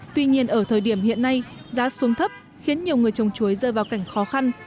tuy nhiên ở thời điểm hiện nay giá xuống thấp khiến nhiều người trồng chuối rơi vào cảnh khó khăn